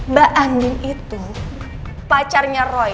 mbak andi itu pacarnya roy